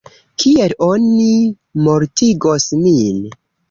Kiel oni mortigos min?